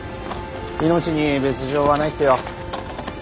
命に別状はないってよ。